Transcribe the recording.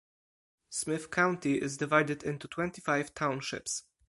Smith County is divided into twenty-five townships.